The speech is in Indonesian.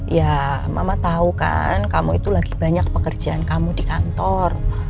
ya mama tahu kan kamu itu lagi banyak pekerjaan kamu di kantor